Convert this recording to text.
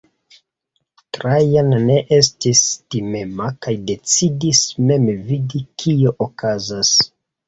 Trajan ne estis timema kaj decidis mem vidi kio okazas.